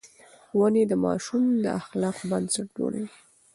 ښوونې د ماشوم د اخلاقو بنسټ جوړوي.